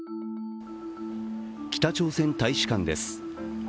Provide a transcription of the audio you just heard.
北朝鮮大使館です。